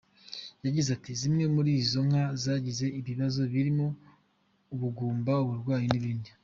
Yagize ati :"Zimwe muri izo nka zagize ibibazo birimo ubugumba, uburwayi n’ibindi.